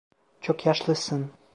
Çok yaşlısın.